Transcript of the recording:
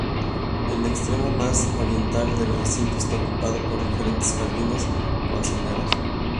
El extremo más oriental del recinto está ocupado por diferentes jardines con senderos.